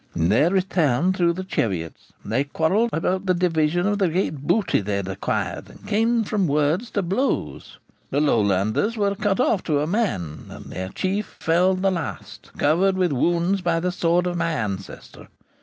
In their return through the Cheviots they quarrelled about the division of the great booty they had acquired, and came from words to blows. The Lowlanders were cut off to a man, and their chief fell the last, covered with wounds by the sword of my ancestor.